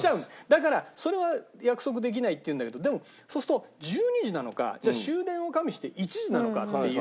だからそれは約束できないって言うんだけどでもそうすると１２時なのか終電を加味して１時なのかっていう。